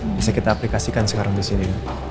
bisa kita aplikasikan sekarang di sini